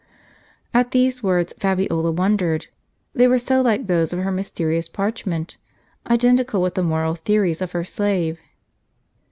" At these words Fabiola wondered; they were so like those of her mysterious parchment, identical with the moral theories of her slave.